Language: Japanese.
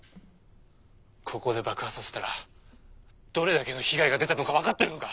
ここで爆破させたらどれだけの被害が出たのかわかってるのか！？